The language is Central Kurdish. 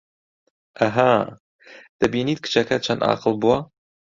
ئەها، دەبینیت کچەکەت چەند ئاقڵ بووە